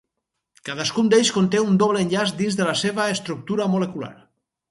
Cadascun d'ells conté un doble enllaç dins de la seva estructura molecular.